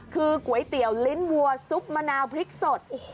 คือก๋วยเตี๋ยวลิ้นวัวซุปมะนาวพริกสด